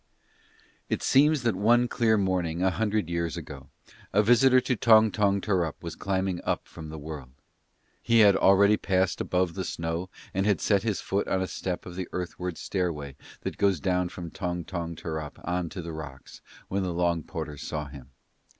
It seems that one clear morning a hundred years ago, a visitor to Tong Tong Tarrup was climbing up from the world. He had already passed above the snow and had set his foot on a step of the earthward stairway that goes down from Tong Tong Tarrup on to the rocks, when the long porter saw him.